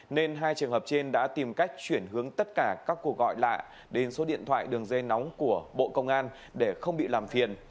nên hai trường hợp trên đã tìm cách chuyển hướng tất cả các cuộc gọi lạ đến số điện thoại đường dây nóng của bộ công an để không bị làm phiền